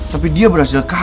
tapi dia berhasil kembali